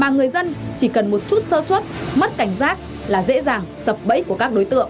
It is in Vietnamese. người dân chỉ cần một chút sơ xuất mất cảnh giác là dễ dàng sập bẫy của các đối tượng